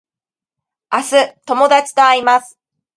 明日友達と会います